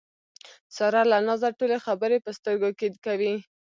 ساره له نازه ټولې خبرې په سترګو کې کوي.